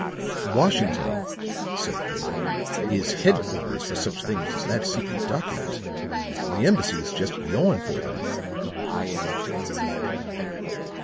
"Washington," said Fuller, "is headquarters for such things as that secret document. The embassies just yawn for them."